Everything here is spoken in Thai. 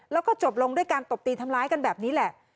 แล้วก็จบลงด้วยการตบตีทำร้ายกันแบบนี้แหละ